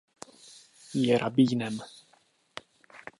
Je rabínem.